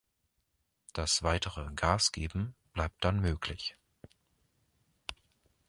Das weitere „Gasgeben“ bleibt dann möglich.